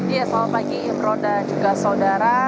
iya selamat pagi imro dan juga saudara